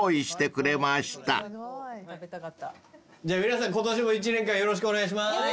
じゃ皆さん今年も一年間よろしくお願いします。